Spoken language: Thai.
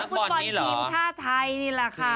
ฟุตบอลทีมชาติไทยนี่แหละค่ะ